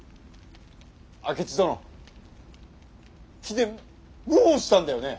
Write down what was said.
明智殿貴殿謀反したんだよね。